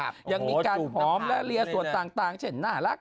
มีการหอมและเรียส่วนต่างเฉพาะน่ารัก